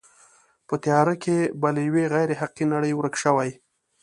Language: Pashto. په تیاره کې به له یوې غیر حقیقي نړۍ ورک شوې.